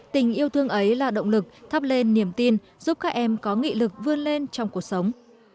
tình yêu thương ấy là động lực thắp lên niềm tin giúp các em có nghị lực vươn lên trong cuộc sống